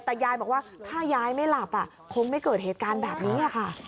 แต่ยายบอกว่าถ้ายายไม่หลับคงไม่เกิดเหตุการณ์แบบนี้ค่ะ